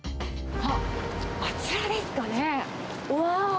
あっ、あちらですかね。